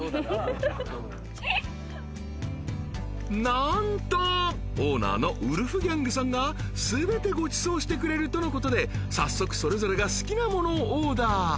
［何とオーナーのウルフギャングさんが全てごちそうしてくれるとのことで早速それぞれが好きなものをオーダー］